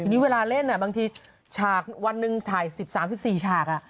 ทีนี้เวลาเล่นน่ะบางทีชากวันนึงฉาย๑๐๓๔ชาก